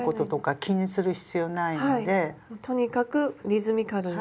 とにかくリズミカルに。